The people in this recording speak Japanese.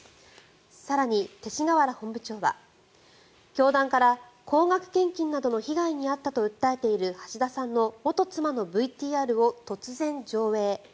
更に、勅使河原本部長は教団から高額献金などの被害に遭ったと訴えている橋田さんの元妻のＶＴＲを突然上映。